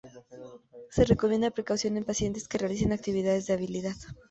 Se recomienda precaución en pacientes que realicen actividades de habilidad.